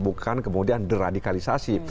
bukan kemudian deradikalisasi